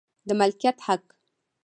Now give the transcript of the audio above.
د مالکیت حق